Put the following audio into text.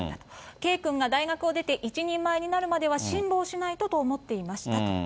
圭君が大学を出て一人前になるまでは辛抱しないとと思っていましたと。